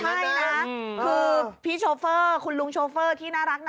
ใช่นะคือพี่โชเฟอร์คุณลุงโชเฟอร์ที่น่ารักนะ